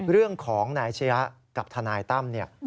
เรื่องของนายเชียร์กับทนายต้ำ